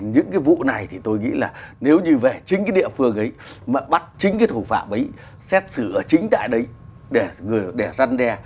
những cái vụ này thì tôi nghĩ là nếu như về chính cái địa phương ấy mà bắt chính cái thủ phạm ấy xét xử ở chính tại đấy để răn đe